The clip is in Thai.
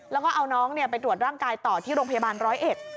แล้วก็เอาน้องเนี่ยไปตรวจร่างกายต่อที่โรงพยาบาลร้อยเอ็ด